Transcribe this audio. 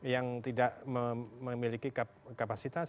yang tidak memiliki kapasitas